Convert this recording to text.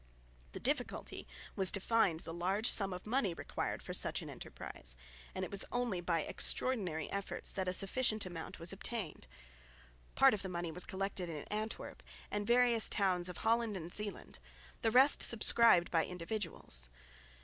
The difficulty was to find the large sum of money required for such an enterprise, and it was only by extraordinary efforts that a sufficient amount was obtained. Part of the money was collected in Antwerp and various towns of Holland and Zeeland, the rest subscribed by individuals.